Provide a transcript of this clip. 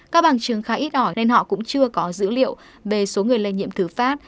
các bằng chứng khá ít ỏi nên họ cũng chưa có dữ liệu về số người lây nhiễm thử phát